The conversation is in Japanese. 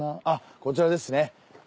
あっこちらですね。